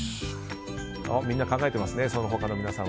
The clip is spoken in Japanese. みんな考えてますね。